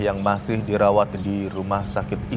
yang masih dirawat di rumah sakit